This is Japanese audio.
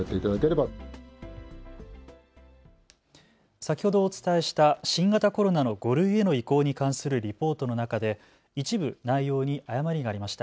先ほどお伝えした新型コロナの５類への移行に関するリポートの中で一部、内容に誤りがありました。